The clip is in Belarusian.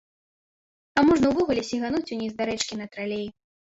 А можна ўвогуле сігануць ўніз да рэчкі на тралеі.